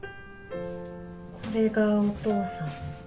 これがお父さん。